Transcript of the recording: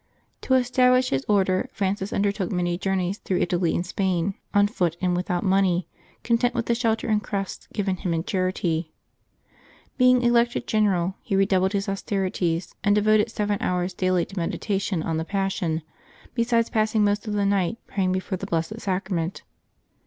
To establish his Order, Francis undertook many journeys through Italy and Spain, on foot and without money, con tent with the shelter and crusts given him in charity. Being elected general, he redoubled his austerities, and de voted seven hours daily to meditation on the Passion, be sides passing most of the night praying before the Blessed Sacrament.